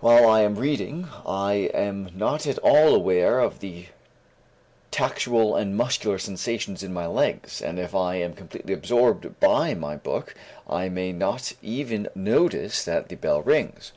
While I am reading I am not at all aware of the tactual and muscular sensations in my legs, and if I am completely absorbed by my book, I may not even notice that the bell rings.